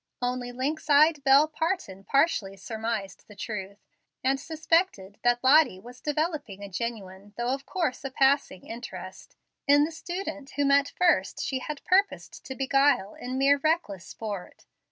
Only lynx eyed Bel Parton partially surmised the truth, and suspected that Lottie was developing a genuine, though of course a passing interest, in the student whom at first she had purposed to beguile in mere reckless sport.